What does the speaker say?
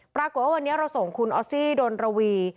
ปรากฏว่าวันนี้เราส่งคุณออสซี่ดนระวี